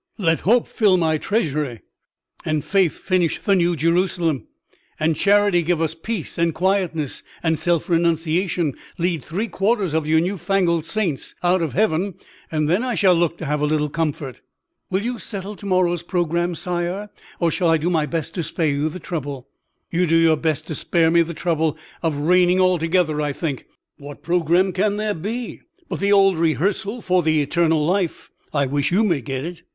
let hope fill my treasury, and faith finish the New Jerusalem, and charity give us peace and quietness, and self renunciation lead three quarters of your new fangled saints out of heaven; and then I shall look to have a little comfort." "Will you settle to morrow's programme, sire? or shall I do my best to spare you the trouble?" "You do your best to spare me the trouble of reigning altogether, I think. What programme can there be but the old rehearsal for the eternal life (I wish you may get it)?